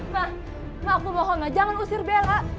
ma maafkan mohon ma jangan usir bella